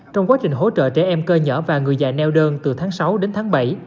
trong quá trình hỗ trợ trẻ em cơ nhở và người già neo đơn từ tháng sáu đến tháng bảy